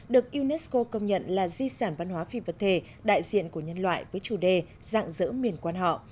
được unesco công nhận là di sản văn hóa phi vật thể đại diện của nhân loại với chủ đề dạng dỡ miền quan họ